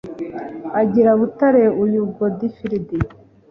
Agira Butare uyu Godifiridi